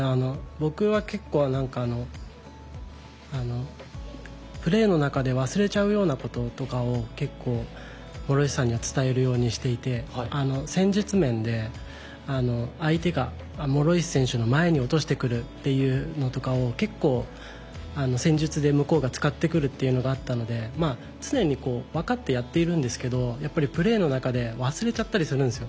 僕は結構プレーの中で忘れちゃうようなこととかを結構諸石さんには伝えるようにしていて戦術面で相手が諸石選手の前に落としてくるというのとかを結構、戦術で向こうが使ってくるというのがあったので常に分かってやっているんですけどやっぱりプレーの中で忘れちゃったりするんですよ。